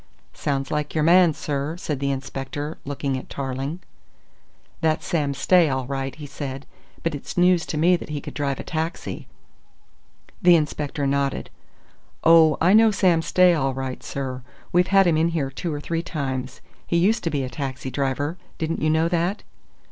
"Sounds like your man, sir," said the inspector, looking at Tarling. "That's Sam Stay all right," he said, "but it's news to me that he could drive a taxi." The inspector nodded. "Oh, I know Sam Stay all right, sir. We've had him in here two or three times. He used to be a taxi driver didn't you know that?"